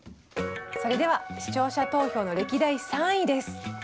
それでは視聴者投票の歴代３位です。